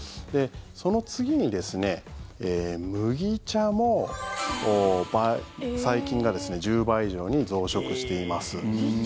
その次にですね、麦茶も細菌が１０倍以上に増殖しています。